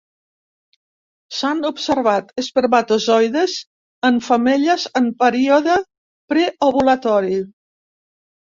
S'han observat espermatozoides en femelles en període preovulatori.